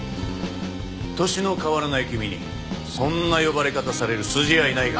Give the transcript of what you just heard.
年の変わらない君にそんな呼ばれ方される筋合いないが。